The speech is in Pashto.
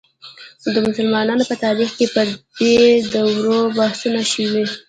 د مسلمانانو په تاریخ کې پر دې دورو بحثونه شوي.